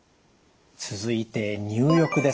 続いて入浴です。